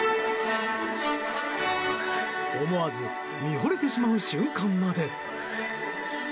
思わず見ほれてしまう瞬間まで。